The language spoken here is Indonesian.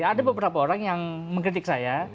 ada beberapa orang yang mengkritik saya